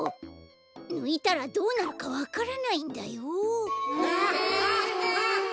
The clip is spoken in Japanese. ぬいたらどうなるかわからないんだよ！？